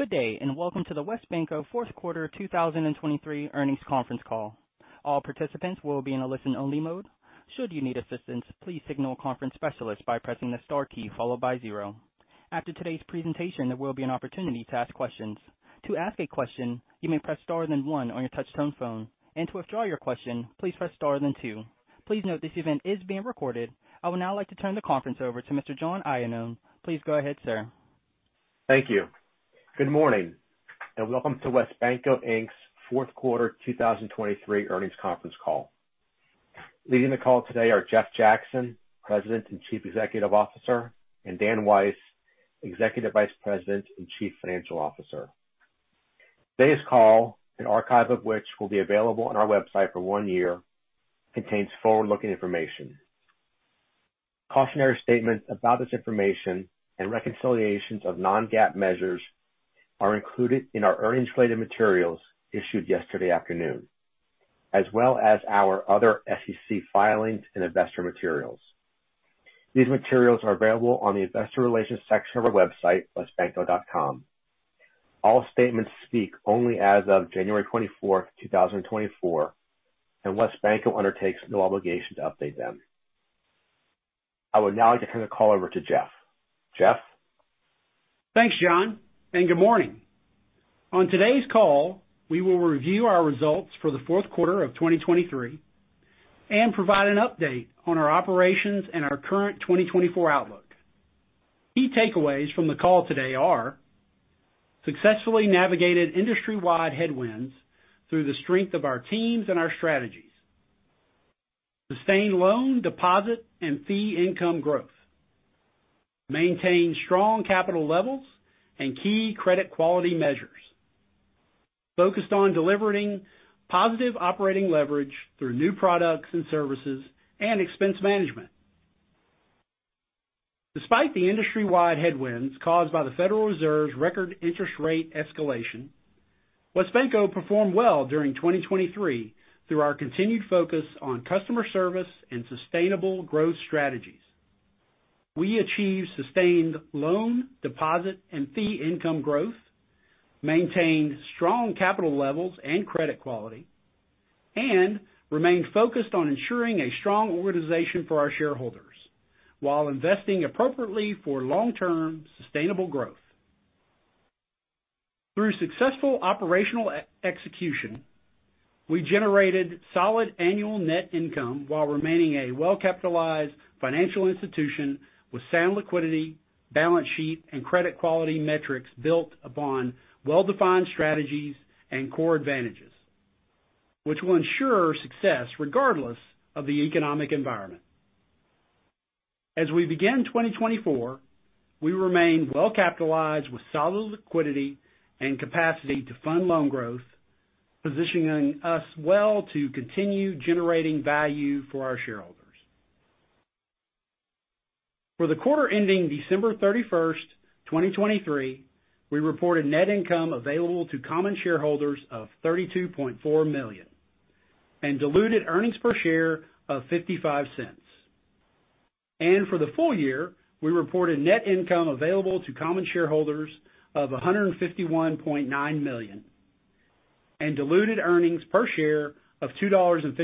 Good day, and welcome to the WesBanco Fourth Quarter 2023 Earnings Conference Call. All participants will be in a listen-only mode. Should you need assistance, please signal a conference specialist by pressing the star key followed by zero. After today's presentation, there will be an opportunity to ask questions. To ask a question, you may press star then one on your touchtone phone, and to withdraw your question, please press star then two. Please note this event is being recorded. I would now like to turn the conference over to Mr. John Iannone. Please go ahead, sir. Thank you. Good morning, and welcome to WesBanco Inc.'s fourth quarter 2023 earnings conference call. Leading the call today are Jeff Jackson, President and Chief Executive Officer, and Dan Weiss, Executive Vice President and Chief Financial Officer. Today's call, an archive of which will be available on our website for 1 year, contains forward-looking information. Cautionary statements about this information and reconciliations of non-GAAP measures are included in our earnings related materials issued yesterday afternoon, as well as our other SEC filings and investor materials. These materials are available on the Investor Relations section of our website, wesbanco.com. All statements speak only as of January 24, 2024, and WesBanco undertakes no obligation to update them. I would now like to turn the call over to Jeff. Jeff? Thanks, John, and good morning. On today's call, we will review our results for the fourth quarter of 2023 and provide an update on our operations and our current 2024 outlook. Key takeaways from the call today are: successfully navigated industry-wide headwinds through the strength of our teams and our strategies. Sustained loan, deposit, and fee income growth. Maintained strong capital levels and key credit quality measures. Focused on delivering positive operating leverage through new products and services and expense management. Despite the industry-wide headwinds caused by the Federal Reserve's record interest rate escalation, WesBanco performed well during 2023 through our continued focus on customer service and sustainable growth strategies. We achieved sustained loan, deposit, and fee income growth, maintained strong capital levels and credit quality, and remained focused on ensuring a strong organization for our shareholders while investing appropriately for long-term sustainable growth. Through successful operational execution, we generated solid annual net income while remaining a well-capitalized financial institution with sound liquidity, balance sheet, and credit quality metrics built upon well-defined strategies and core advantages, which will ensure success regardless of the economic environment. As we begin 2024, we remain well-capitalized with solid liquidity and capacity to fund loan growth, positioning us well to continue generating value for our shareholders. For the quarter ending December 31, 2023, we reported net income available to common shareholders of $32.4 million and diluted earnings per share of $0.55. For the full year, we reported net income available to common shareholders of $151.9 million and diluted earnings per share of $2.56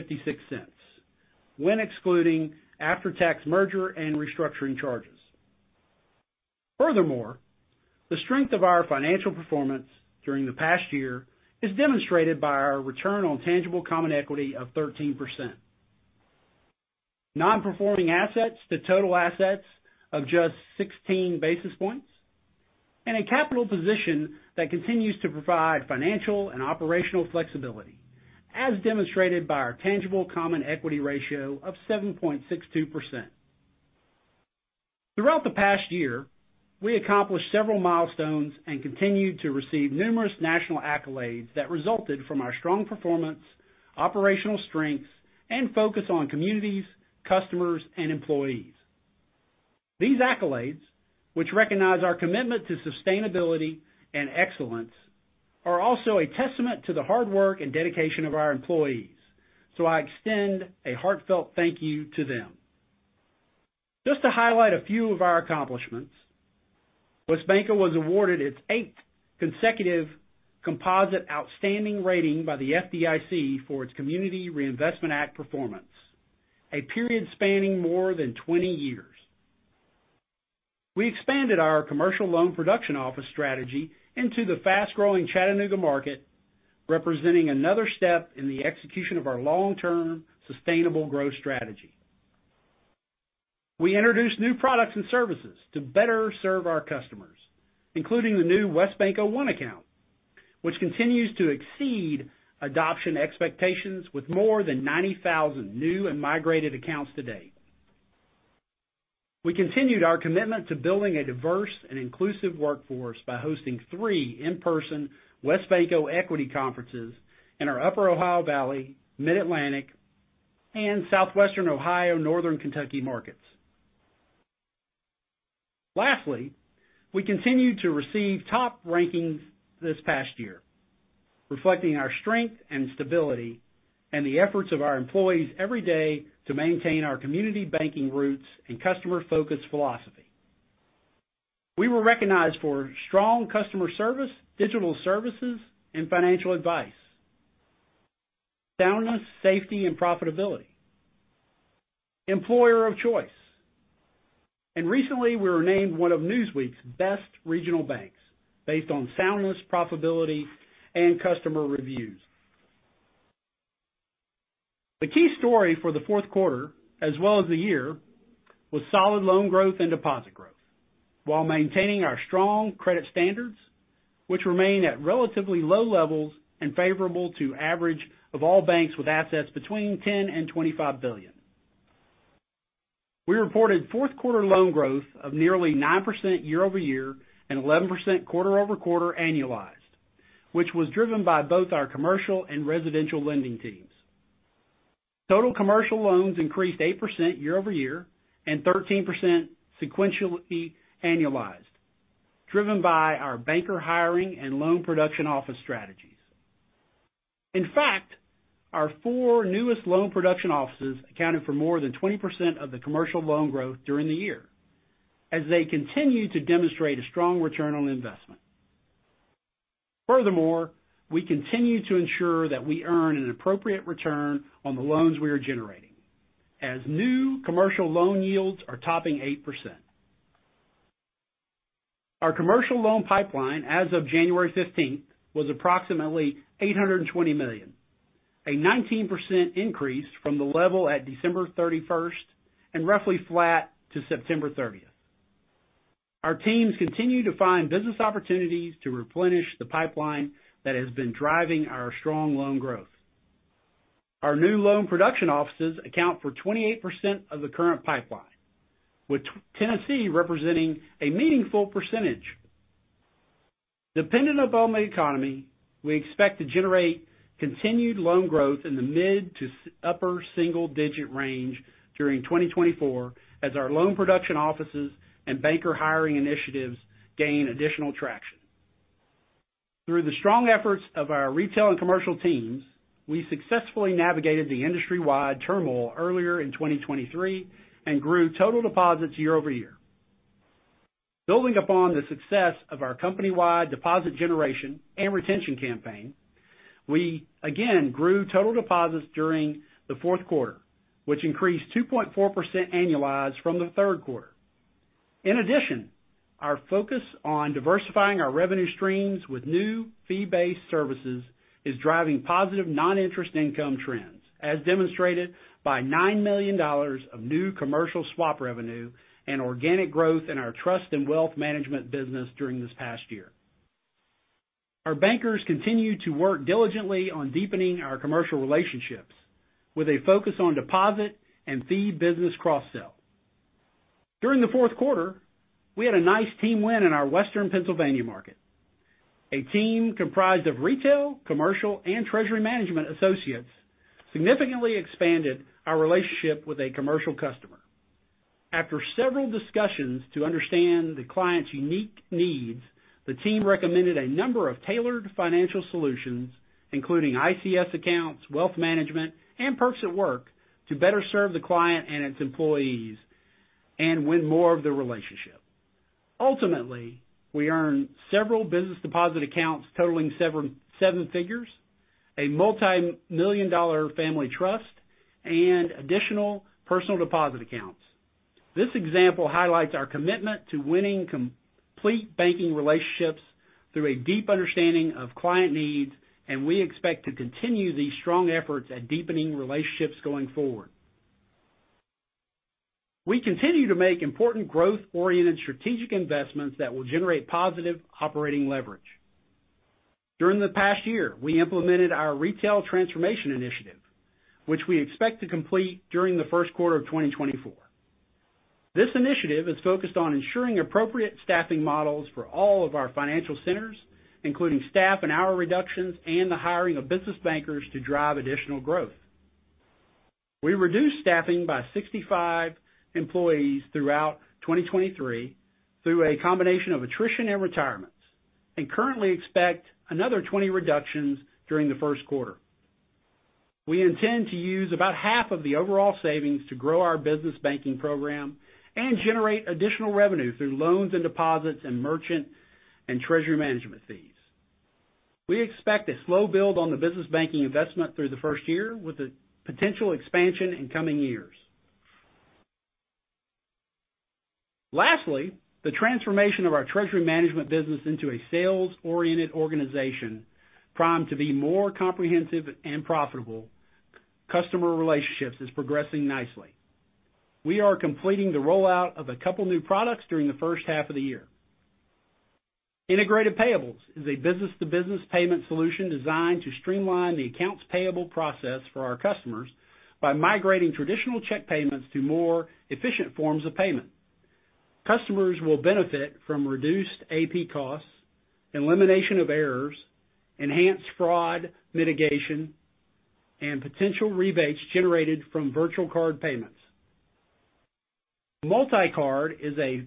when excluding after-tax merger and restructuring charges. Furthermore, the strength of our financial performance during the past year is demonstrated by our return on tangible common equity of 13%, non-performing assets to total assets of just 16 basis points, and a capital position that continues to provide financial and operational flexibility, as demonstrated by our tangible common equity ratio of 7.62%. Throughout the past year, we accomplished several milestones and continued to receive numerous national accolades that resulted from our strong performance, operational strengths, and focus on communities, customers, and employees. These accolades, which recognize our commitment to sustainability and excellence, are also a testament to the hard work and dedication of our employees. So I extend a heartfelt thank you to them. Just to highlight a few of our accomplishments, WesBanco was awarded its eighth consecutive composite outstanding rating by the FDIC for its Community Reinvestment Act performance, a period spanning more than 20 years. We expanded our commercial loan production office strategy into the fast-growing Chattanooga market, representing another step in the execution of our long-term sustainable growth strategy. We introduced new products and services to better serve our customers, including the new WesBanco One Account, which continues to exceed adoption expectations with more than 90,000 new and migrated accounts to date. We continued our commitment to building a diverse and inclusive workforce by hosting three in-person WesBanco equity conferences in our Upper Ohio Valley, Mid-Atlantic, and Southwestern Ohio, Northern Kentucky markets. Lastly, we continued to receive top rankings this past year. Reflecting our strength and stability and the efforts of our employees every day to maintain our community banking roots and customer-focused philosophy. We were recognized for strong customer service, digital services, and financial advice, soundness, safety, and profitability, employer of choice, and recently, we were named one of Newsweek's best regional banks based on soundness, profitability, and customer reviews. The key story for the fourth quarter, as well as the year, was solid loan growth and deposit growth, while maintaining our strong credit standards, which remain at relatively low levels and favorable to average of all banks with assets between $10 billion and $25 billion. We reported fourth quarter loan growth of nearly 9% year-over-year and 11% quarter-over-quarter annualized, which was driven by both our commercial and residential lending teams. Total commercial loans increased 8% year-over-year and 13% sequentially annualized, driven by our banker hiring and loan production office strategies. In fact, our four newest loan production offices accounted for more than 20% of the commercial loan growth during the year, as they continue to demonstrate a strong return on investment. Furthermore, we continue to ensure that we earn an appropriate return on the loans we are generating, as new commercial loan yields are topping 8%. Our commercial loan pipeline as of January 15th, was approximately $820 million, a 19% increase from the level at December 31st and roughly flat to September 30th. Our teams continue to find business opportunities to replenish the pipeline that has been driving our strong loan growth. Our new loan production offices account for 28% of the current pipeline, with Tennessee representing a meaningful percentage. Dependent upon the economy, we expect to generate continued loan growth in the mid- to upper single-digit range during 2024, as our loan production offices and banker hiring initiatives gain additional traction. Through the strong efforts of our retail and commercial teams, we successfully navigated the industry-wide turmoil earlier in 2023 and grew total deposits year-over-year. Building upon the success of our company-wide deposit generation and retention campaign, we again grew total deposits during the fourth quarter, which increased 2.4% annualized from the third quarter. In addition, our focus on diversifying our revenue streams with new fee-based services is driving positive non-interest income trends, as demonstrated by $9 million of new commercial swap revenue and organic growth in our trust and wealth management business during this past year. Our bankers continue to work diligently on deepening our commercial relationships with a focus on deposit and fee business cross-sell. During the fourth quarter, we had a nice team win in our Western Pennsylvania market. A team comprised of retail, commercial, and treasury management associates, significantly expanded our relationship with a commercial customer. After several discussions to understand the client's unique needs, the team recommended a number of tailored financial solutions, including ICS accounts, wealth management, and Perks at Work, to better serve the client and its employees and win more of the relationship. Ultimately, we earned several business deposit accounts totaling 7 figures, a $multi-million-dollar family trust, and additional personal deposit accounts. This example highlights our commitment to winning complete banking relationships through a deep understanding of client needs, and we expect to continue these strong efforts at deepening relationships going forward. We continue to make important growth-oriented strategic investments that will generate positive operating leverage. During the past year, we implemented our retail transformation initiative, which we expect to complete during the first quarter of 2024. This initiative is focused on ensuring appropriate staffing models for all of our financial centers, including staff and hour reductions, and the hiring of business bankers to drive additional growth. We reduced staffing by 65 employees throughout 2023 through a combination of attrition and retirements, and currently expect another 20 reductions during the first quarter. We intend to use about half of the overall savings to grow our business banking program and generate additional revenue through loans and deposits, and merchant and treasury management fees. We expect a slow build on the business banking investment through the first year, with a potential expansion in coming years. Lastly, the transformation of our treasury management business into a sales-oriented organization, primed to be more comprehensive and profitable. Customer relationships is progressing nicely. We are completing the rollout of a couple new products during the first half of the year. Integrated Payables is a business-to-business payment solution designed to streamline the accounts payable process for our customers by migrating traditional check payments to more efficient forms of payment. Customers will benefit from reduced AP costs, elimination of errors, enhanced fraud mitigation, and potential rebates generated from virtual card payments. MultiCard is a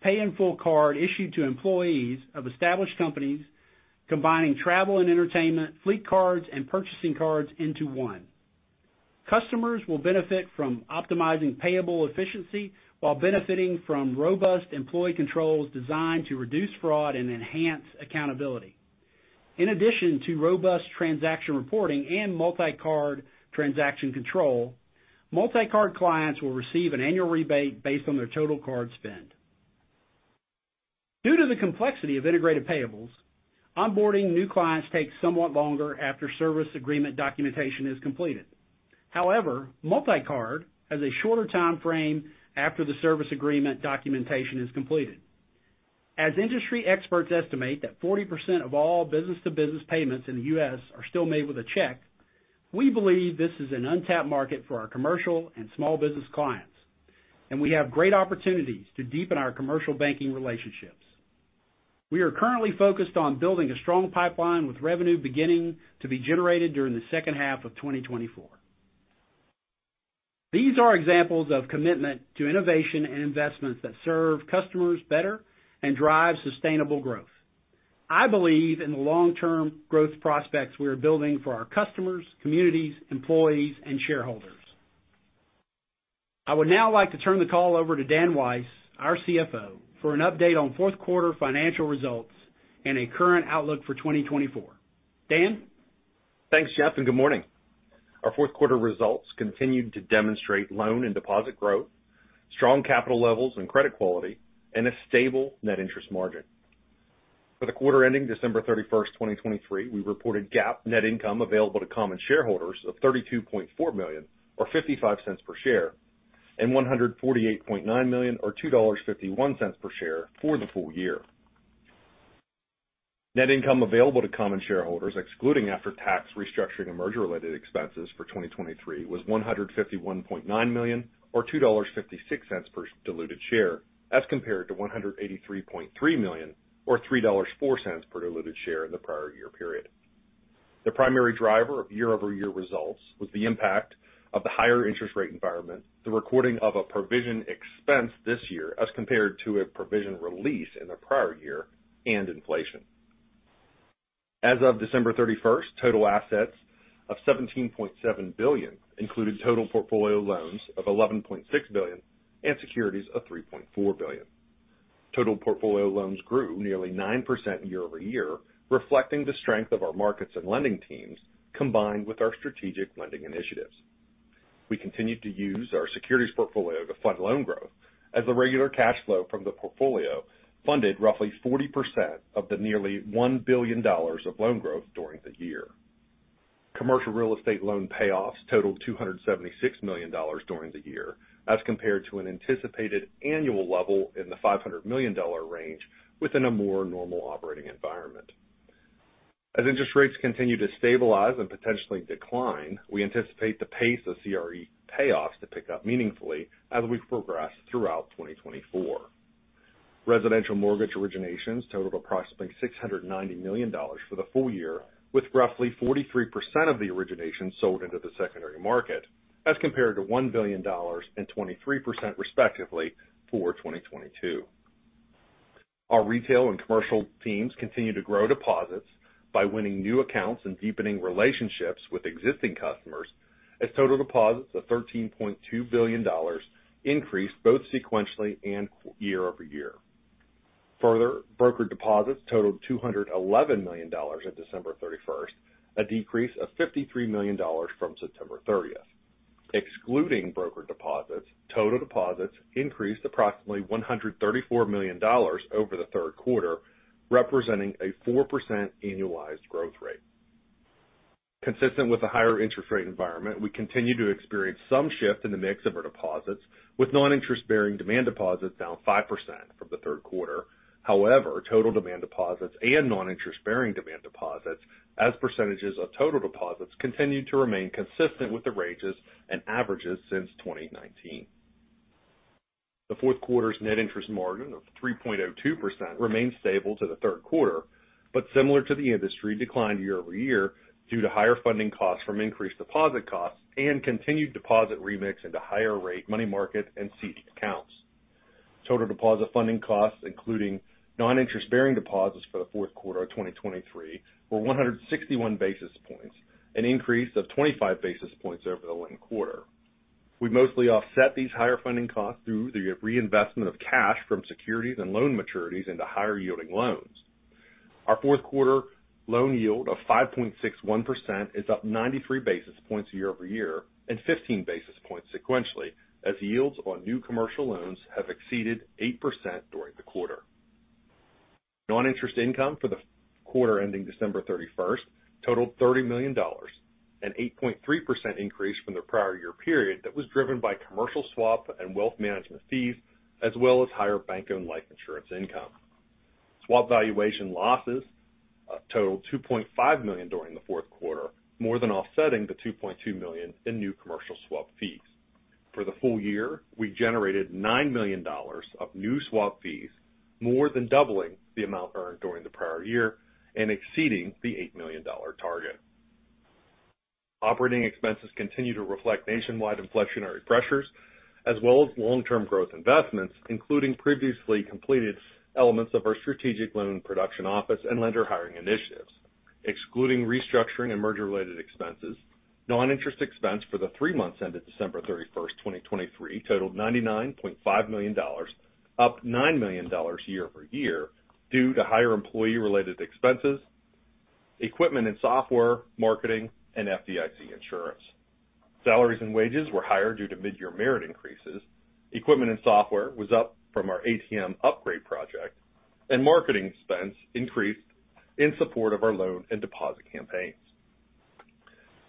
pay-in-full card issued to employees of established companies, combining travel and entertainment, fleet cards, and purchasing cards into one. Customers will benefit from optimizing payable efficiency while benefiting from robust employee controls designed to reduce fraud and enhance accountability. In addition to robust transaction reporting and MultiCard transaction control, MultiCard clients will receive an annual rebate based on their total card spend. Due to the complexity of Integrated Payables, onboarding new clients takes somewhat longer after service agreement documentation is completed. However, MultiCard has a shorter timeframe after the service agreement documentation is completed. As industry experts estimate that 40% of all business-to-business payments in the U.S. are still made with a check, we believe this is an untapped market for our commercial and small business clients, and we have great opportunities to deepen our commercial banking relationships. We are currently focused on building a strong pipeline, with revenue beginning to be generated during the second half of 2024. These are examples of commitment to innovation and investments that serve customers better and drive sustainable growth. I believe in the long-term growth prospects we are building for our customers, communities, employees, and shareholders. I would now like to turn the call over to Dan Weiss, our CFO, for an update on fourth quarter financial results and a current outlook for 2024. Dan? Thanks, Jeff, and good morning. Our fourth quarter results continued to demonstrate loan and deposit growth, strong capital levels and credit quality, and a stable net interest margin. For the quarter ending December 31, 2023, we reported GAAP net income available to common shareholders of $32.4 million, or $0.55 per share, and $148.9 million, or $2.51 per share for the full year. Net income available to common shareholders, excluding after-tax restructuring and merger-related expenses for 2023, was $151.9 million, or $2.56 per diluted share, as compared to $183.3 million, or $3.04 per diluted share in the prior year period. The primary driver of year-over-year results was the impact of the higher interest rate environment, the recording of a provision expense this year as compared to a provision release in the prior year, and inflation. As of December 31, total assets of $17.7 billion included total portfolio loans of $11.6 billion and securities of $3.4 billion. Total portfolio loans grew nearly 9% year-over-year, reflecting the strength of our markets and lending teams, combined with our strategic lending initiatives. We continued to use our securities portfolio to fund loan growth, as the regular cash flow from the portfolio funded roughly 40% of the nearly $1 billion of loan growth during the year. Commercial real estate loan payoffs totaled $276 million during the year, as compared to an anticipated annual level in the $500 million range within a more normal operating environment. As interest rates continue to stabilize and potentially decline, we anticipate the pace of CRE payoffs to pick up meaningfully as we progress throughout 2024. Residential mortgage originations totaled approximately $690 million for the full year, with roughly 43% of the originations sold into the secondary market, as compared to $1 billion and 23%, respectively, for 2022. Our retail and commercial teams continued to grow deposits by winning new accounts and deepening relationships with existing customers, as total deposits of $13.2 billion increased both sequentially and year over year. Further, brokered deposits totaled $211 million at December 31, a decrease of $53 million from September 30. Excluding brokered deposits, total deposits increased approximately $134 million over the third quarter, representing a 4% annualized growth rate. Consistent with the higher interest rate environment, we continue to experience some shift in the mix of our deposits, with non-interest-bearing demand deposits down 5% from the third quarter. However, total demand deposits and non-interest-bearing demand deposits as percentages of total deposits continued to remain consistent with the ranges and averages since 2019. The fourth quarter's net interest margin of 3.02% remained stable to the third quarter, but similar to the industry, declined year-over-year due to higher funding costs from increased deposit costs and continued deposit remix into higher rate money market and CD accounts. Total deposit funding costs, including non-interest-bearing deposits for the fourth quarter of 2023, were 161 basis points, an increase of 25 basis points over the leading quarter. We mostly offset these higher funding costs through the reinvestment of cash from securities and loan maturities into higher-yielding loans. Our fourth quarter loan yield of 5.61% is up 93 basis points year-over-year and 15 basis points sequentially, as yields on new commercial loans have exceeded 8% during the quarter. Non-interest income for the quarter ending December 31 totaled $30 million, an 8.3% increase from the prior year period that was driven by commercial swap and wealth management fees, as well as higher bank-owned life insurance income. Swap valuation losses totaled $2.5 million during the fourth quarter, more than offsetting the $2.2 million in new commercial swap fees. For the full year, we generated $9 million of new swap fees, more than doubling the amount earned during the prior year and exceeding the $8 million target. Operating expenses continue to reflect nationwide inflationary pressures, as well as long-term growth investments, including previously completed elements of our strategic loan production office and lender hiring initiatives. Excluding restructuring and merger-related expenses, non-interest expense for the three months ended December 31, 2023, totaled $99.5 million, up $9 million year-over-year, due to higher employee-related expenses, equipment and software, marketing, and FDIC insurance. Salaries and wages were higher due to mid-year merit increases. Equipment and software was up from our ATM upgrade project, and marketing expense increased in support of our loan and deposit campaigns.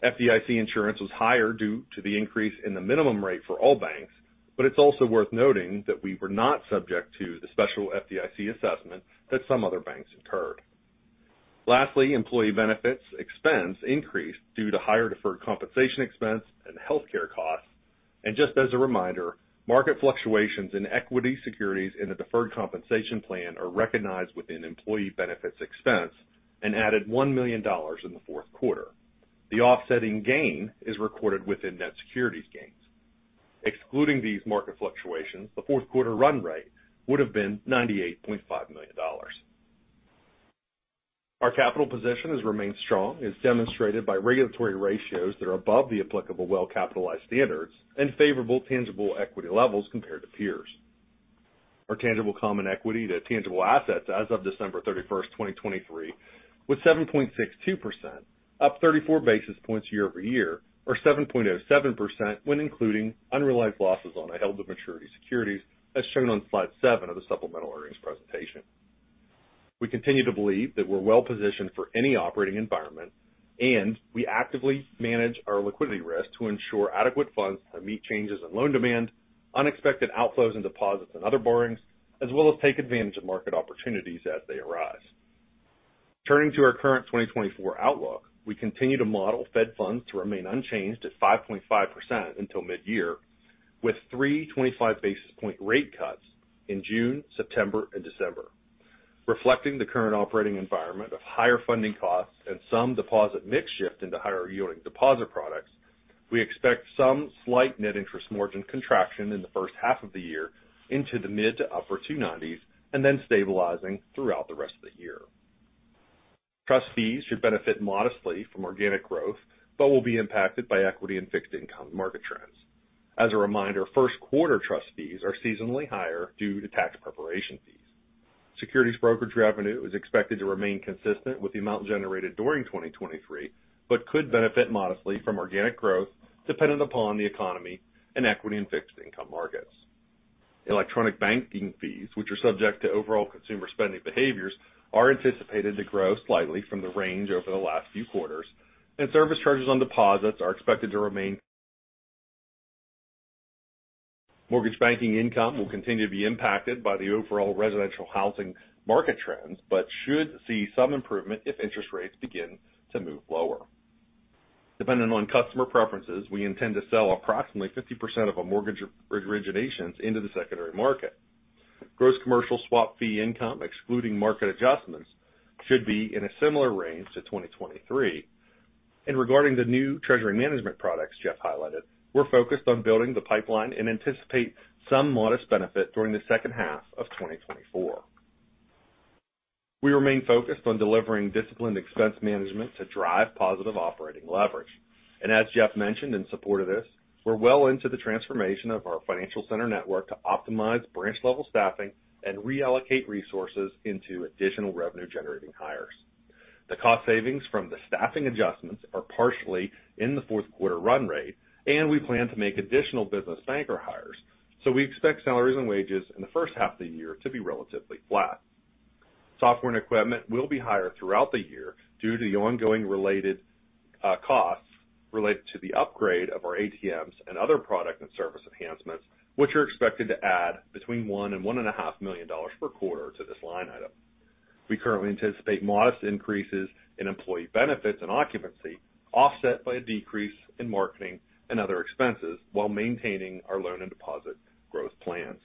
FDIC insurance was higher due to the increase in the minimum rate for all banks, but it's also worth noting that we were not subject to the special FDIC assessment that some other banks incurred. Lastly, employee benefits expense increased due to higher deferred compensation expense and healthcare costs. And just as a reminder, market fluctuations in equity securities in the deferred compensation plan are recognized within employee benefits expense and added $1 million in the fourth quarter. The offsetting gain is recorded within net securities gains. Excluding these market fluctuations, the fourth quarter run rate would have been $98.5 million. Our capital position has remained strong, as demonstrated by regulatory ratios that are above the applicable well-capitalized standards and favorable tangible equity levels compared to peers. Our tangible common equity to tangible assets as of December 31, 2023, was 7.62%, up 34 basis points year-over-year, or 7.07% when including unrealized losses on a held to maturity securities, as shown on slide 7 of the supplemental earnings presentation. We continue to believe that we're well-positioned for any operating environment, and we actively manage our liquidity risk to ensure adequate funds to meet changes in loan demand, unexpected outflows in deposits and other borrowings, as well as take advantage of market opportunities as they arise. Turning to our current 2024 outlook, we continue to model Fed funds to remain unchanged at 5.5% until mid-year, with three 25 basis point rate cuts in June, September, and December. Reflecting the current operating environment of higher funding costs and some deposit mix shift into higher-yielding deposit products, we expect some slight net interest margin contraction in the first half of the year into the mid to upper 290s, and then stabilizing throughout the rest of the year. Trust fees should benefit modestly from organic growth, but will be impacted by equity and fixed income market trends. As a reminder, first quarter trust fees are seasonally higher due to tax preparation fees. Securities brokerage revenue is expected to remain consistent with the amount generated during 2023, but could benefit modestly from organic growth, dependent upon the economy and equity and fixed income markets. Electronic banking fees, which are subject to overall consumer spending behaviors, are anticipated to grow slightly from the range over the last few quarters, and service charges on deposits are expected to remain. Mortgage banking income will continue to be impacted by the overall residential housing market trends, but should see some improvement if interest rates begin to move lower. Depending on customer preferences, we intend to sell approximately 50% of our mortgage originations into the secondary market. Gross commercial swap fee income, excluding market adjustments, should be in a similar range to 2023. Regarding the new treasury management products Jeff highlighted, we're focused on building the pipeline and anticipate some modest benefit during the second half of 2024. We remain focused on delivering disciplined expense management to drive positive operating leverage. And as Jeff mentioned in support of this, we're well into the transformation of our financial center network to optimize branch-level staffing and reallocate resources into additional revenue-generating hires. The cost savings from the staffing adjustments are partially in the fourth quarter run rate, and we plan to make additional business banker hires, so we expect salaries and wages in the first half of the year to be relatively flat. Software and equipment will be higher throughout the year due to the ongoing related costs related to the upgrade of our ATMs and other product and service enhancements, which are expected to add between $1 million and $1.5 million per quarter to this line item. We currently anticipate modest increases in employee benefits and occupancy, offset by a decrease in marketing and other expenses, while maintaining our loan and deposit growth plans.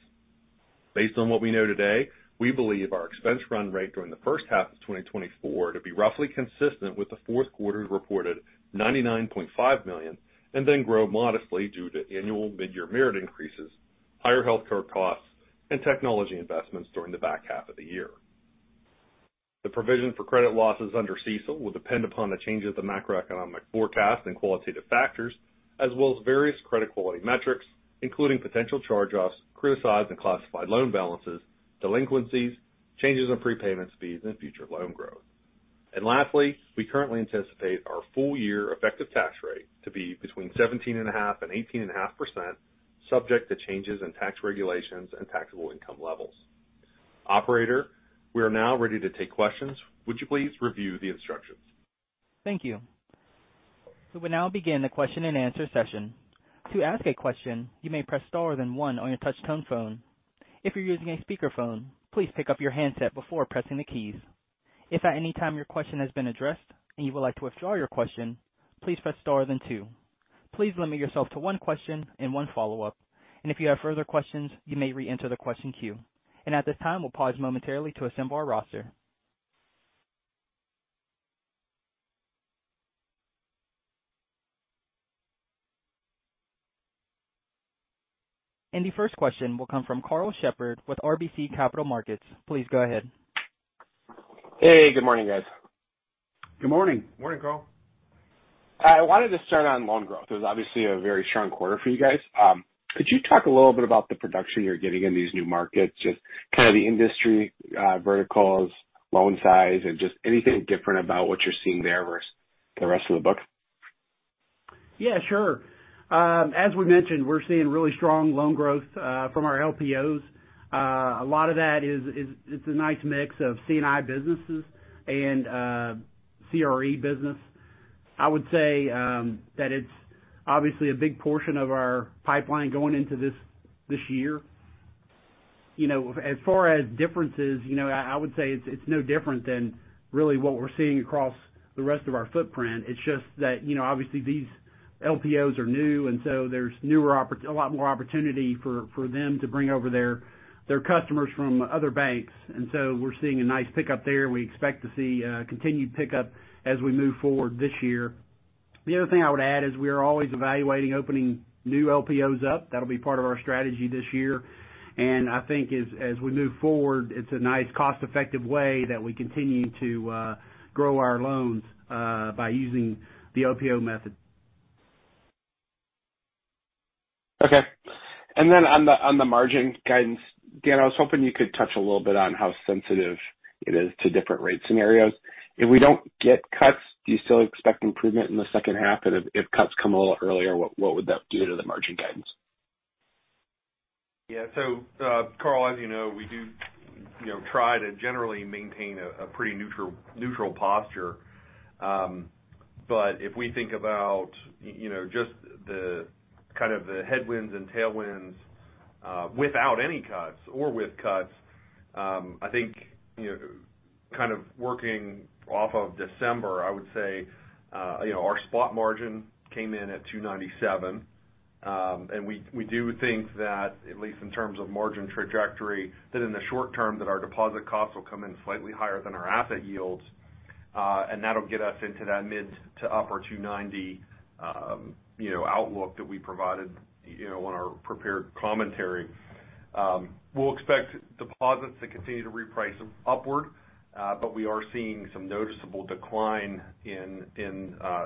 Based on what we know today, we believe our expense run rate during the first half of 2024 to be roughly consistent with the fourth quarter's reported $99.5 million, and then grow modestly due to annual mid-year merit increases, higher healthcare costs, and technology investments during the back half of the year. The provision for credit losses under CECL will depend upon the changes of macroeconomic forecasts and qualitative factors, as well as various credit quality metrics, including potential charge-offs, criticized and classified loan balances, delinquencies, changes in prepayment speeds, and future loan growth. Lastly, we currently anticipate our full-year effective tax rate to be between 17.5% and 18.5%, subject to changes in tax regulations and taxable income levels. Operator, we are now ready to take questions. Would you please review the instructions? Thank you. We will now begin the question-and-answer session. To ask a question, you may press star then one on your touch tone phone. If you're using a speakerphone, please pick up your handset before pressing the keys. If at any time your question has been addressed and you would like to withdraw your question, please press star then two. Please limit yourself to one question and one follow-up, and if you have further questions, you may reenter the question queue. At this time, we'll pause momentarily to assemble our roster. The first question will come from Karl Shepherd with RBC Capital Markets. Please go ahead. Hey, good morning, guys. Good morning. Morning, Carl. I wanted to start on loan growth. It was obviously a very strong quarter for you guys. Could you talk a little bit about the production you're getting in these new markets? Just kind of the industry, verticals, loan size, and just anything different about what you're seeing there versus the rest of the book? Yeah, sure. As we mentioned, we're seeing really strong loan growth from our LPOs. A lot of that is it's a nice mix of C&I businesses and CRE business. I would say that it's obviously a big portion of our pipeline going into this year. You know, as far as differences, you know, I would say it's no different than really what we're seeing across the rest of our footprint. It's just that, you know, obviously these LPOs are new, and so there's a lot more opportunity for them to bring over their customers from other banks, and so we're seeing a nice pickup there. We expect to see continued pickup as we move forward this year. The other thing I would add is we are always evaluating opening new LPOs up. That'll be part of our strategy this year. I think as we move forward, it's a nice cost-effective way that we continue to grow our loans by using the LPO method. Okay. Then on the margin guidance, Dan, I was hoping you could touch a little bit on how sensitive it is to different rate scenarios. If we don't get cuts, do you still expect improvement in the second half? And if cuts come a little earlier, what would that do to the margin guidance? Yeah. So, Carl, as you know, we do, you know, try to generally maintain a pretty neutral posture. But if we think about, you know, just the kind of the headwinds and tailwinds, without any cuts or with cuts, I think, you know, kind of working off of December, I would say, you know, our spot margin came in at 2.97. And we, we do think that, at least in terms of margin trajectory, that in the short term, that our deposit costs will come in slightly higher than our asset yields, and that'll get us into that mid- to upper 2.90, you know, outlook that we provided, you know, on our prepared commentary. We'll expect deposits to continue to reprice upward, but we are seeing some noticeable decline in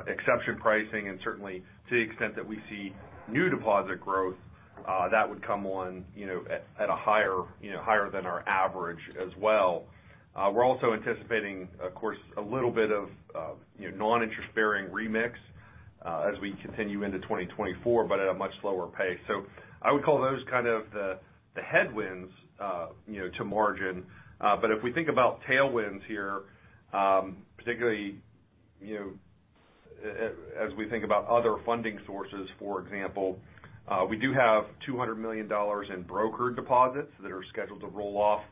exception pricing, and certainly to the extent that we see new deposit growth, that would come on, you know, at a higher, you know, higher than our average as well. We're also anticipating, of course, a little bit of, you know, non-interest-bearing remix as we continue into 2024, but at a much slower pace. So I would call those kind of the headwinds, you know, to margin. But if we think about tailwinds here, particularly, you know, as we think about other funding sources, for example, we do have $200 million in brokered deposits that are scheduled to roll off,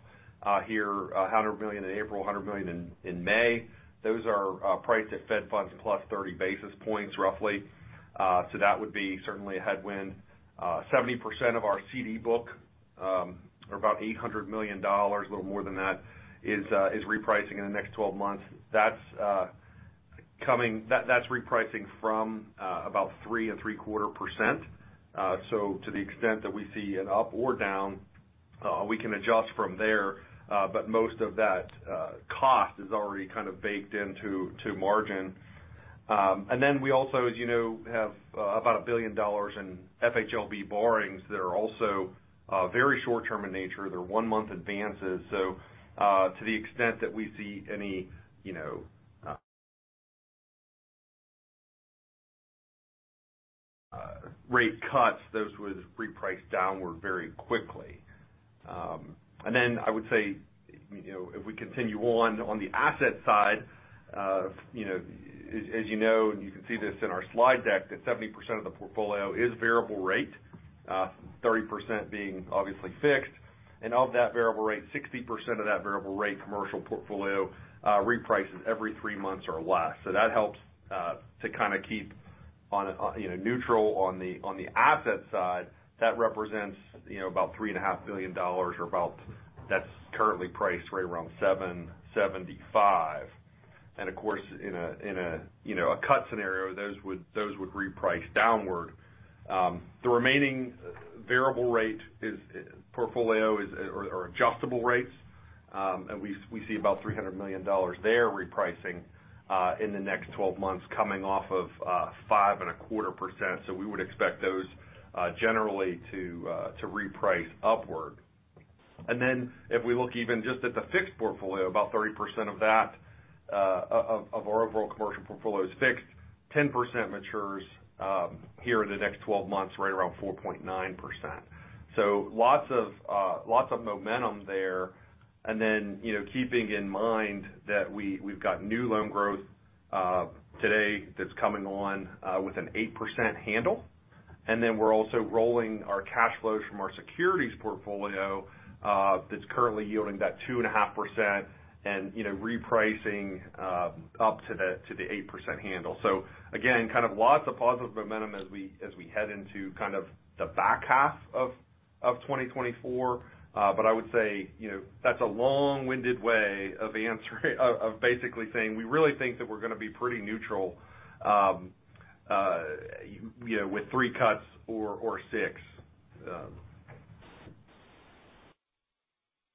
here, $100 million in April, $100 million in May. Those are priced at Fed Funds plus 30 basis points, roughly. So that would be certainly a headwind. 70% of our CD book, or about $800 million, a little more than that, is repricing in the next 12 months. That's repricing from about 3.75%. So to the extent that we see an up or down, we can adjust from there, but most of that cost is already kind of baked into the margin. And then we also, as you know, have about $1 billion in FHLB borrowings that are also very short-term in nature. They're 1-month advances. So to the extent that we see any, you know, rate cuts, those would reprice downward very quickly. And then I would say, you know, if we continue on, on the asset side, you know, as, as you know, and you can see this in our slide deck, that 70% of the portfolio is variable rate, thirty percent being obviously fixed. And of that variable rate, 60% of that variable rate commercial portfolio, reprices every three months or less. So that helps, to kind of keep on, you know, neutral on the, on the asset side, that represents, you know, about $3.5 billion or about. That's currently priced right around 7.75%. And of course, in a, in a, you know, a cut scenario, those would, those would reprice downward. The remaining variable rate portfolio or adjustable rates, and we see about $300 million there repricing in the next 12 months, coming off of 5.25%. So we would expect those generally to reprice upward. And then if we look even just at the fixed portfolio, about 30% of that of our overall commercial portfolio is fixed. 10% matures here in the next 12 months, right around 4.9%. So lots of momentum there. And then, you know, keeping in mind that we've got new loan growth today, that's coming on with an 8% handle. And then we're also rolling our cash flows from our securities portfolio, that's currently yielding that 2.5% and, you know, repricing up to the, to the 8% handle. So again, kind of lots of positive momentum as we, as we head into kind of the back half of the year of 2024, but I would say, you know, that's a long-winded way of answering, of, of basically saying we really think that we're going to be pretty neutral, you know, with three cuts or, or six.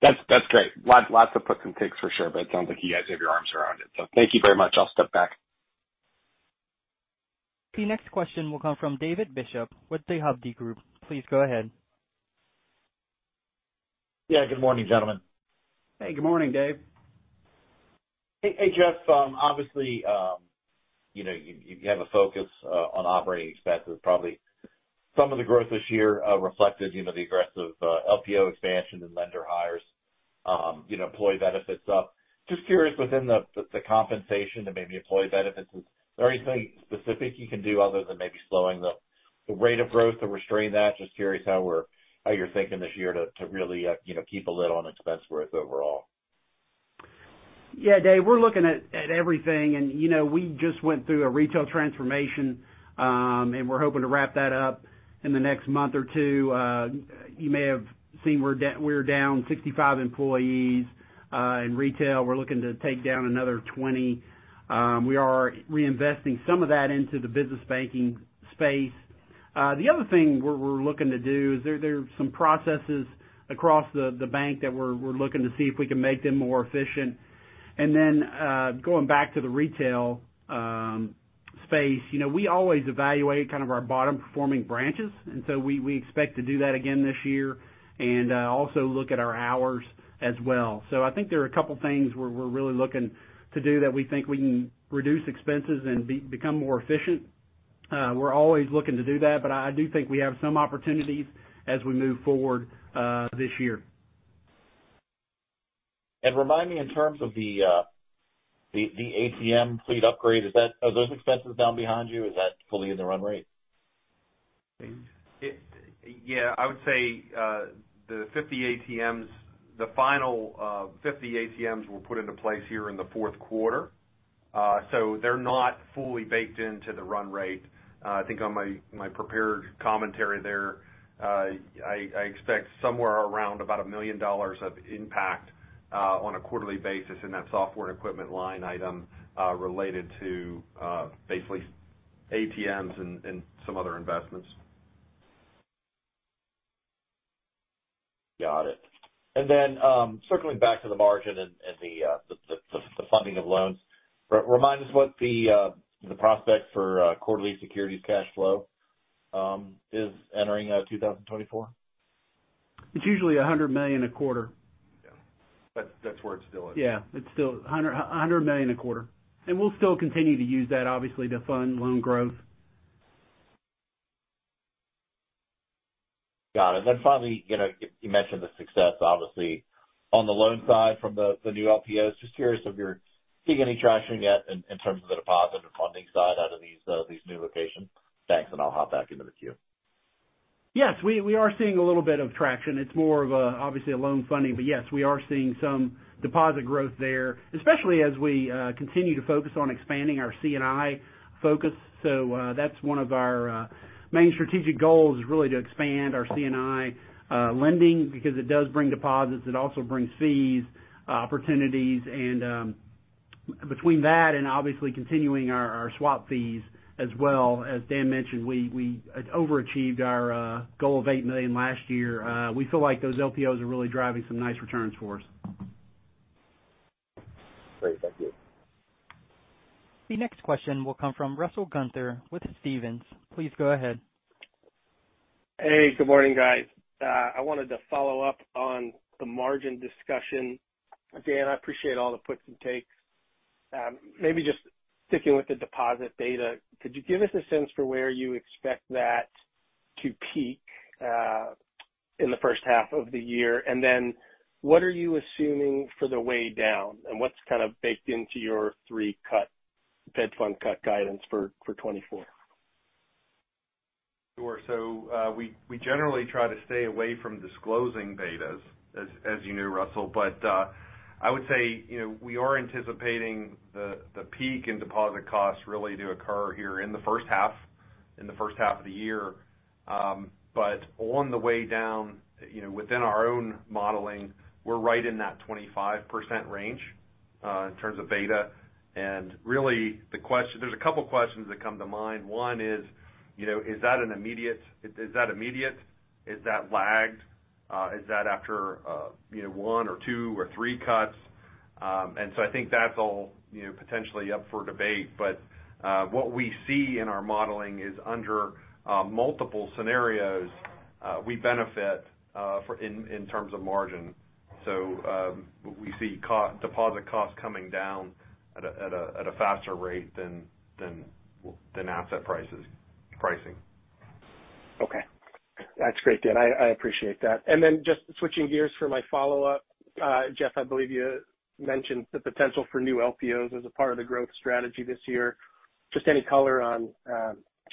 That's, that's great. Lots, lots of puts and takes for sure, but it sounds like you guys have your arms around it. So thank you very much. I'll step back. The next question will come from David Bishop with Hovde Group. Please go ahead. Yeah. Good morning, gentlemen. Hey, good morning, Dave. Hey, hey, Jeff. Obviously, you know, you have a focus on operating expenses. Probably some of the growth this year reflected, you know, the aggressive LPO expansion and lender hires, you know, employee benefits up. Just curious, within the compensation and maybe employee benefits, is there anything specific you can do other than maybe slowing the rate of growth or restrain that? Just curious how you're thinking this year to really, you know, keep a lid on expense growth overall. Yeah, Dave, we're looking at everything, and you know, we just went through a retail transformation, and we're hoping to wrap that up in the next month or two. You may have seen we're down 65 employees in retail. We're looking to take down another 20. We are reinvesting some of that into the business banking space. The other thing we're looking to do is there are some processes across the bank that we're looking to see if we can make them more efficient. And then going back to the retail space, you know, we always evaluate kind of our bottom-performing branches, and so we expect to do that again this year and also look at our hours as well. So, I think there are a couple of things we're really looking to do that we think we can reduce expenses and become more efficient. We're always looking to do that, but I do think we have some opportunities as we move forward, this year. Remind me, in terms of the ATM fleet upgrade, is that. Are those expenses down behind you? Is that fully in the run rate? Yeah, I would say, the 50 ATMs, the final, 50 ATMs were put into place here in the fourth quarter. So they're not fully baked into the run rate. I think on my, my prepared commentary there, I, I expect somewhere around about $1 million of impact, on a quarterly basis in that software and equipment line item, related to, basically ATMs and, and some other investments. Got it. And then, circling back to the margin and the funding of loans, remind us what the prospect for quarterly securities cash flow is entering 2024. It's usually $100 million a quarter. Yeah, that's where it still is. Yeah, it's still $100 million a quarter. We'll still continue to use that, obviously, to fund loan growth. Got it. And then finally, you know, you mentioned the success, obviously, on the loan side from the new LPOs. Just curious if you're seeing any traction yet in terms of the deposit and funding side out of these new locations? Thanks, and I'll hop back into the queue. Yes, we, we are seeing a little bit of traction. It's more of a, obviously, a loan funding, but yes, we are seeing some deposit growth there, especially as we continue to focus on expanding our C&I focus. So, that's one of our main strategic goals is really to expand our C&I lending because it does bring deposits. It also brings fees, opportunities, and, between that and obviously continuing our swap fees as well, as Dan mentioned, we, we overachieved our goal of $8 million last year. We feel like those LPOs are really driving some nice returns for us. Great. Thank you. The next question will come from Russell Gunther with Stephens. Please go ahead. Hey, good morning, guys. I wanted to follow up on the margin discussion. Dan, I appreciate all the puts and takes. Maybe just sticking with the deposit data, could you give us a sense for where you expect that to peak in the first half of the year? And then, what are you assuming for the way down, and what's kind of baked into your three-cut Fed Fund cut guidance for 2024? Sure. So, we generally try to stay away from disclosing betas, as you knew, Russell, but I would say, you know, we are anticipating the peak in deposit costs really to occur here in the first half of the year. But on the way down, you know, within our own modeling, we're right in that 25% range in terms of beta. And really, the question, there's a couple of questions that come to mind. One is, you know, is that an immediate, is that immediate? Is that lagged? Is that after, you know, one or two or three cuts? And so I think that's all, you know, potentially up for debate. But what we see in our modeling is under multiple scenarios, we benefit in terms of margin. We see core deposit costs coming down at a faster rate than asset pricing. Okay. That's great, Dan. I, I appreciate that. And then just switching gears for my follow-up, Jeff, I believe you mentioned the potential for new LPOs as a part of the growth strategy this year. Just any color on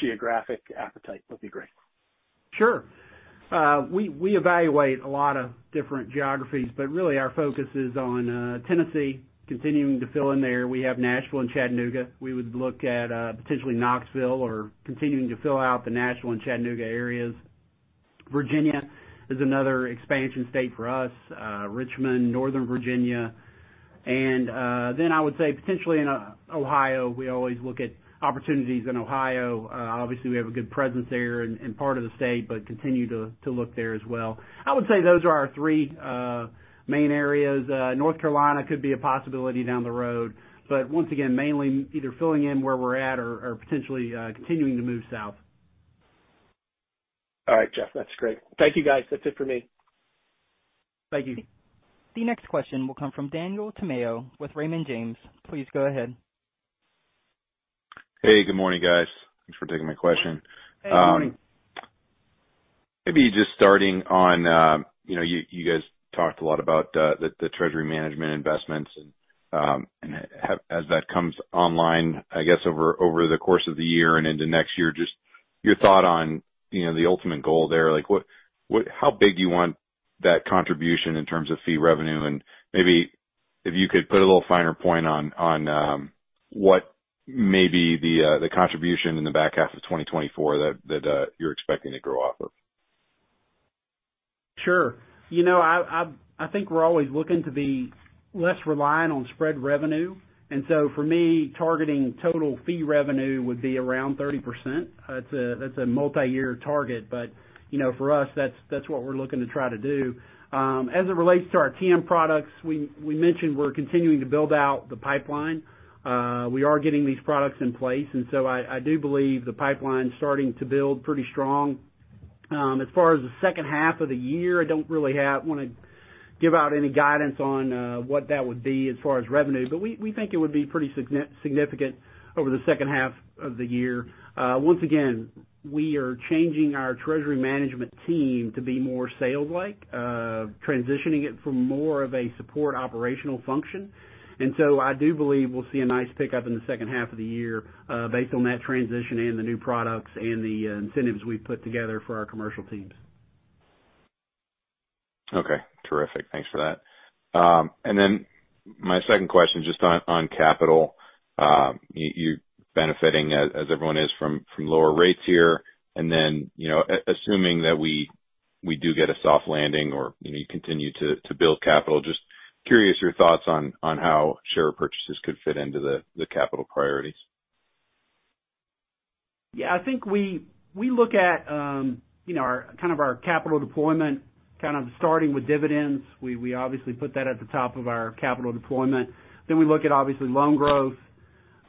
geographic appetite would be great. Sure. We evaluate a lot of different geographies, but really our focus is on Tennessee, continuing to fill in there. We have Nashville and Chattanooga. We would look at potentially Knoxville or continuing to fill out the Nashville and Chattanooga areas. Virginia is another expansion state for us, Richmond, Northern Virginia. And then I would say potentially in Ohio, we always look at opportunities in Ohio. Obviously, we have a good presence there in part of the state, but continue to look there as well. I would say those are our three main areas. North Carolina could be a possibility down the road, but once again, mainly either filling in where we're at or potentially continuing to move south. All right, Jeff, that's great. Thank you, guys. That's it for me. Thank you. The next question will come from Daniel Tamayo with Raymond James. Please go ahead. Hey, good morning, guys. Thanks for taking my question. Hey, good morning. Maybe just starting on, you know, you guys talked a lot about the treasury management investments and as that comes online, I guess, over the course of the year and into next year, just your thought on, you know, the ultimate goal there. Like, what, how big do you want that contribution in terms of fee revenue? And maybe if you could put a little finer point on what may be the contribution in the back half of 2024 that you're expecting to grow off of. Sure. You know, I think we're always looking to be less reliant on spread revenue, and so for me, targeting total fee revenue would be around 30%. That's a multi-year target, but, you know, for us, that's what we're looking to try to do. As it relates to our TM products, we mentioned we're continuing to build out the pipeline. We are getting these products in place, and so I do believe the pipeline's starting to build pretty strong. As far as the second half of the year, I don't really want to give out any guidance on what that would be as far as revenue, but we think it would be pretty significant over the second half of the year. Once again, we are changing our treasury management team to be more sales-like, transitioning it from more of a support operational function. And so I do believe we'll see a nice pickup in the second half of the year, based on that transition and the new products and the incentives we've put together for our commercial teams. Okay. Terrific. Thanks for that. And then my second question, just on capital. You're benefiting, as everyone is, from lower rates here, and then, you know, assuming that we do get a soft landing or, you know, you continue to build capital, just curious your thoughts on how share purchases could fit into the capital priorities. Yeah, I think we look at, you know, our capital deployment, kind of starting with dividends. We obviously put that at the top of our capital deployment. Then we look at, obviously, loan growth,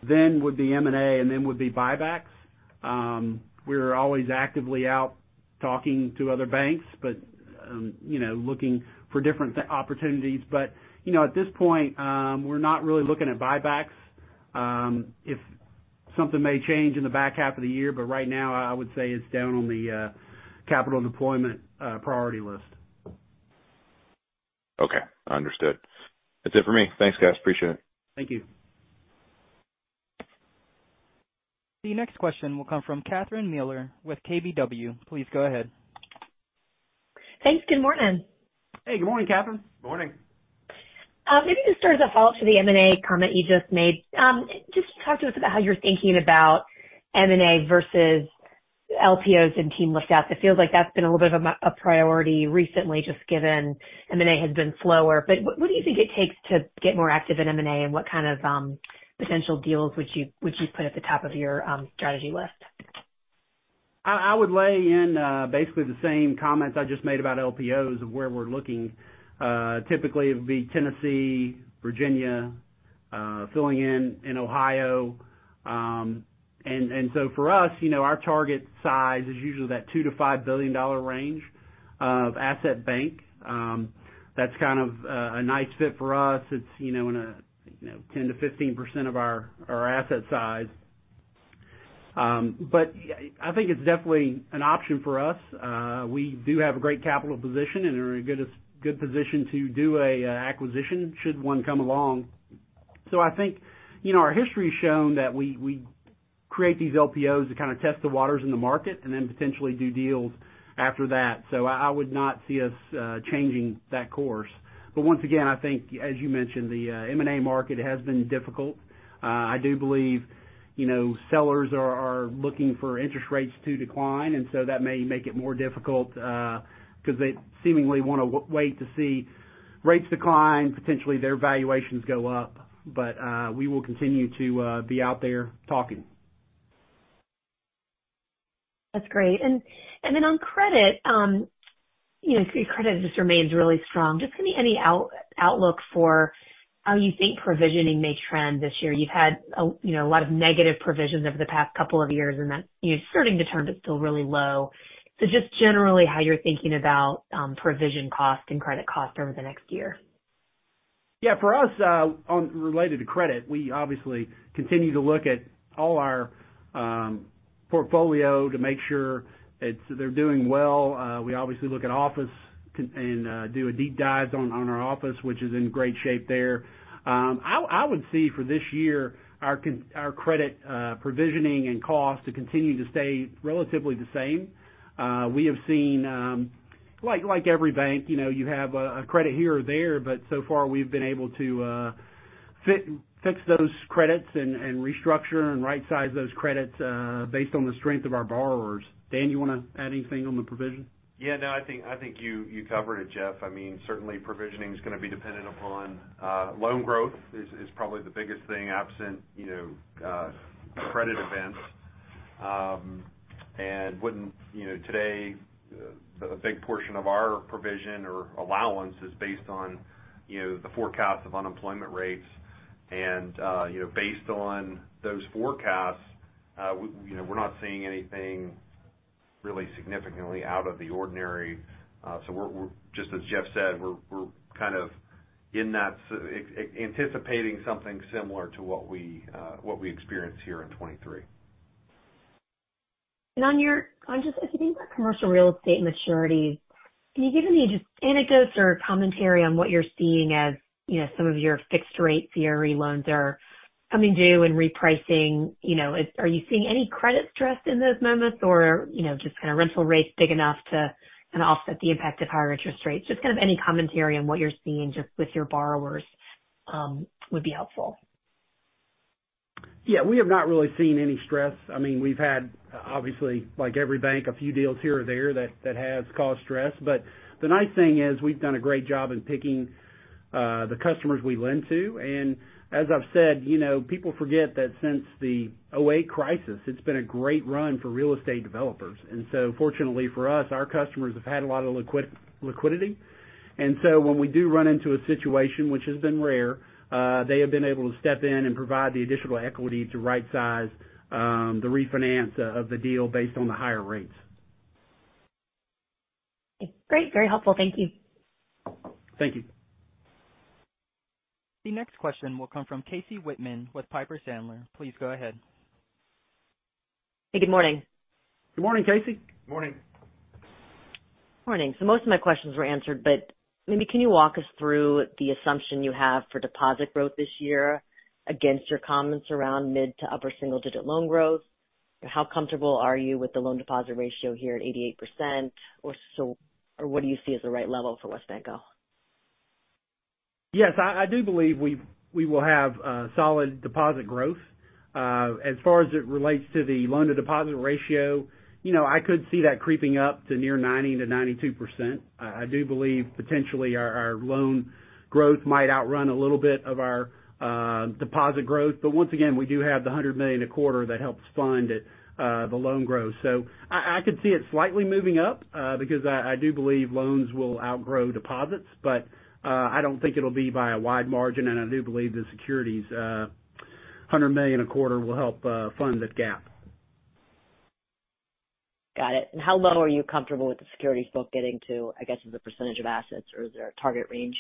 then would be M&A, and then would be buybacks. We're always actively out talking to other banks, but, you know, looking for different opportunities. But, you know, at this point, we're not really looking at buybacks. If something may change in the back half of the year, but right now, I would say it's down on the capital deployment priority list. Okay, understood. That's it for me. Thanks, guys. Appreciate it. Thank you. The next question will come from Catherine Mealor with KBW. Please go ahead. Thanks. Good morning. Hey, good morning, Catherine. Good morning. Maybe just sort of a follow-up to the M&A comment you just made. Just talk to us about how you're thinking about M&A versus LPOs and team lift outs. It feels like that's been a little bit of a priority recently, just given M&A has been slower. But what do you think it takes to get more active in M&A, and what kind of potential deals would you put at the top of your strategy list? I would lay in basically the same comments I just made about LPOs of where we're looking. Typically, it would be Tennessee, Virginia, filling in in Ohio. And so for us, you know, our target size is usually that $2 billion-$5 billion range of asset bank. That's kind of a nice fit for us. It's, you know, in a, you know, 10%-15% of our asset size. But, yeah, I think it's definitely an option for us. We do have a great capital position and are in a good position to do a acquisition should one come along. So I think, you know, our history has shown that we create these LPOs to kind of test the waters in the market and then potentially do deals after that. So I would not see us changing that course. But once again, I think, as you mentioned, the M&A market has been difficult. I do believe, you know, sellers are looking for interest rates to decline, and so that may make it more difficult, because they seemingly want to wait to see rates decline, potentially their valuations go up. But we will continue to be out there talking. That's great. And then on credit, you know, credit just remains really strong. Just give me any outlook for how you think provisioning may trend this year. You've had, you know, a lot of negative provisions over the past couple of years, and that's. You're starting to turn, but still really low. So just generally, how you're thinking about provision cost and credit cost over the next year. Yeah, for us, related to credit, we obviously continue to look at all our portfolio to make sure they're doing well. We obviously look at office and do a deep dive on our office, which is in great shape there. I would see for this year, our credit provisioning and costs to continue to stay relatively the same. We have seen, like every bank, you know, you have a credit here or there, but so far, we've been able to fix those credits and restructure and right-size those credits based on the strength of our borrowers. Dan, you wanna add anything on the provision? Yeah, no, I think you covered it, Jeff. I mean, certainly provisioning is gonna be dependent upon loan growth, which is probably the biggest thing, absent you know credit events. And you know today a big portion of our provision or allowance is based on you know the forecast of unemployment rates. And based on those forecasts we you know we're not seeing anything really significantly out of the ordinary. So we're kind of anticipating something similar to what we experienced here in 2023. On just, as you think about commercial real estate maturities, can you give any just anecdotes or commentary on what you're seeing as, you know, some of your fixed rate CRE loans are coming due and repricing? You know, are you seeing any credit stress in those moments or, you know, just kind of rental rates big enough to kind of offset the impact of higher interest rates? Just kind of any commentary on what you're seeing just with your borrowers, would be helpful. Yeah, we have not really seen any stress. I mean, we've had, obviously, like every bank, a few deals here or there that has caused stress. But the nice thing is, we've done a great job in picking the customers we lend to. And as I've said, you know, people forget that since the 2008 crisis, it's been a great run for real estate developers. And so fortunately for us, our customers have had a lot of liquidity. And so when we do run into a situation, which has been rare, they have been able to step in and provide the additional equity to right-size the refinance of the deal based on the higher rates. Great. Very helpful. Thank you. Thank you. The next question will come from Casey Whitman with Piper Sandler. Please go ahead. Hey, good morning. Good morning, Casey. Morning. Morning. So most of my questions were answered, but maybe can you walk us through the assumption you have for deposit growth this year against your comments around mid to upper-single-digit loan growth? How comfortable are you with the loan deposit ratio here at 88%? Or so, or what do you see as the right level for WesBanco? Yes, I do believe we will have solid deposit growth. As far as it relates to the loan-to-deposit ratio, you know, I could see that creeping up to near 90%-92%. I do believe potentially our loan growth might outrun a little bit of our deposit growth, but once again, we do have the $100 million a quarter that helps fund it, the loan growth. So I could see it slightly moving up, because I do believe loans will outgrow deposits, but I don't think it'll be by a wide margin, and I do believe the securities $100 million a quarter will help fund that gap. Got it. And how low are you comfortable with the securities book getting to, I guess, as a percentage of assets or is there a target range?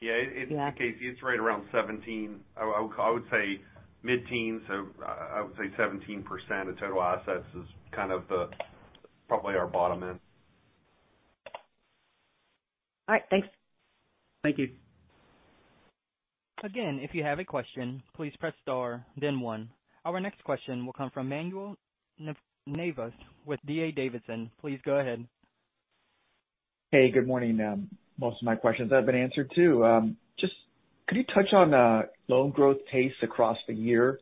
Yeah, it. Yeah. Casey, it's right around 17. I would say mid-teens, so I would say 17% of total assets is kind of the probably our bottom end. All right, thanks. Thank you. Again, if you have a question, please press Star, then one. Our next question will come from Manuel Navas with D.A. Davidson. Please go ahead. Hey, good morning. Most of my questions have been answered, too. Just could you touch on loan growth pace across the year?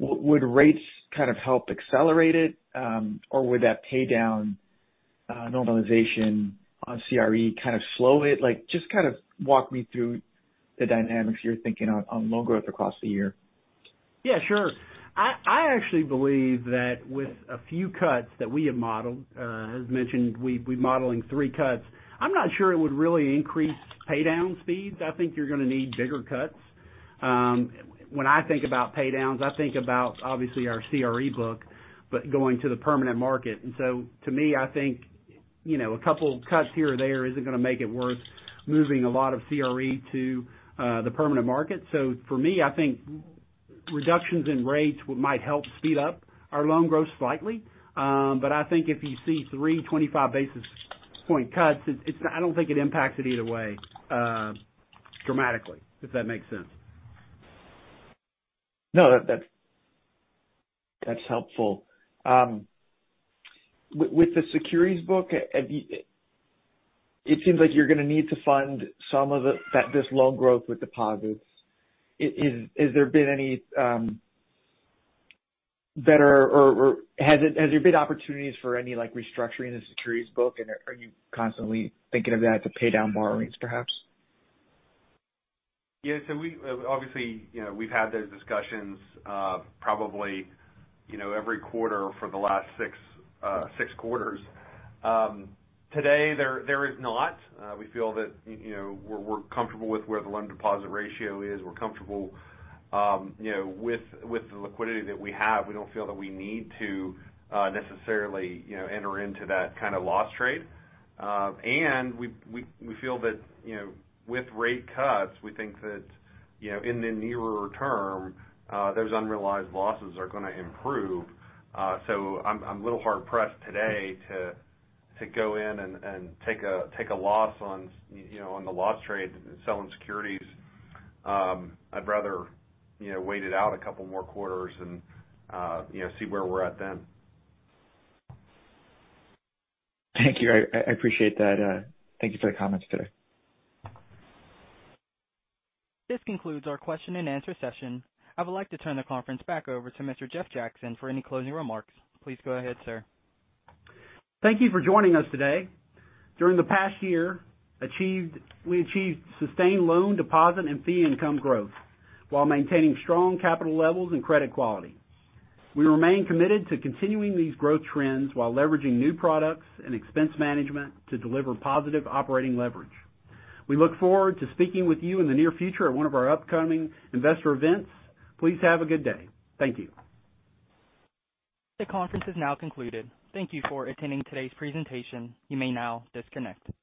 Would rates kind of help accelerate it, or would that pay down normalization on CRE kind of slow it? Like, just kind of walk me through the dynamics you're thinking on loan growth across the year. Yeah, sure. I actually believe that with a few cuts that we have modeled, as mentioned, we're modeling 3 cuts. I'm not sure it would really increase pay down speeds. I think you're gonna need bigger cuts. When I think about pay downs, I think about obviously our CRE book, but going to the permanent market. And so to me, I think, you know, a couple cuts here or there isn't gonna make it worth moving a lot of CRE to the permanent market. So for me, I think reductions in rates might help speed up our loan growth slightly. But I think if you see three 25 basis point cuts, it's. I don't think it impacts it either way dramatically, if that makes sense. No, that's helpful. With the securities book, it seems like you're gonna need to fund some of that loan growth with deposits. Has there been any better or has there been opportunities for any like restructuring the securities book, and are you constantly thinking of that to pay down borrowings, perhaps? Yeah, so we obviously, you know, we've had those discussions, probably, you know, every quarter for the last 6, 6 quarters. Today, there is not. We feel that, you know, we're comfortable with where the loan deposit ratio is. We're comfortable, you know, with the liquidity that we have. We don't feel that we need to necessarily, you know, enter into that kind of loss trade. And we feel that, you know, with rate cuts, we think that, you know, in the nearer term, those unrealized losses are gonna improve. So I'm a little hard-pressed today to go in and take a loss on, you know, the loss trade, selling securities. I'd rather, you know, wait it out a couple more quarters and, you know, see where we're at then. Thank you. I appreciate that. Thank you for the comments today. This concludes our question and answer session. I would like to turn the conference back over to Mr. Jeff Jackson for any closing remarks. Please go ahead, sir. Thank you for joining us today. During the past year, we achieved sustained loan, deposit, and fee income growth while maintaining strong capital levels and credit quality. We remain committed to continuing these growth trends while leveraging new products and expense management to deliver positive operating leverage. We look forward to speaking with you in the near future at one of our upcoming investor events. Please have a good day. Thank you. The conference is now concluded. Thank you for attending today's presentation. You may now disconnect.